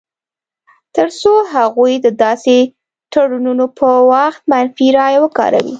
تر څو هغوی د داسې تړونونو پر وخت منفي رایه وکاروي.